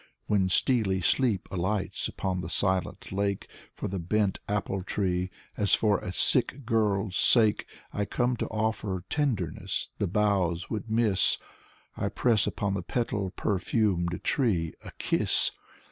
When steely sleep alights upon the silent lake For the bent apple tree, as for a sick girl's sake, I come to oifer tenderness the boughs would miss, I press upon the petal perfumed tree a kiss.